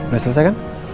udah selesai kan